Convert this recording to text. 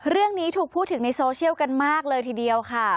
เรื่องนี้ถูกพูดถึงในโซเชียลกันมากเลยทีเดียวค่ะ